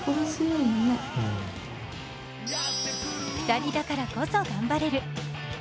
２人だからこそ頑張れる。